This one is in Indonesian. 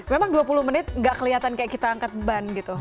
memang dua puluh menit gak kelihatan kayak kita angkat ban gitu